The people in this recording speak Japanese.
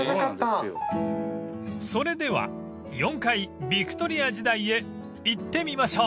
［それでは４階ヴィクトリア時代へ行ってみましょう］